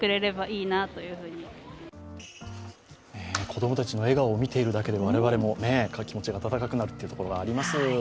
子供たちの笑顔を見ているだけでも、我々も気持ちが温かくなるところがあります。